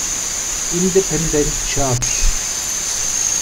Independent Chart.